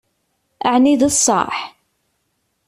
Ɛni d ṣṣeḥ?